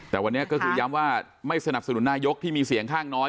แต่วันนี้ก็คือย้ำว่าไม่สนับสนุนนายกที่มีเสียงข้างน้อย